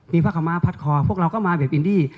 มีพระคำมาพัดคอพวกเราก็มาแบบอินดี